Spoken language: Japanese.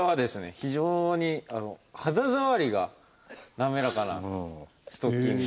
非常に肌触りが滑らかなストッキングを。